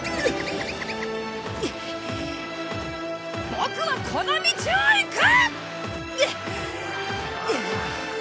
ボクはこの道を行く！！